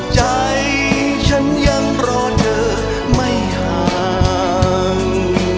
ใจฉันยังรอเธอไม่ห่าง